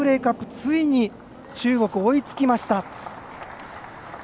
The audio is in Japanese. ついに、中国、追いつきました。